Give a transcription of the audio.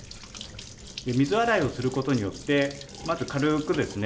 水洗いをすることによってまず軽くですね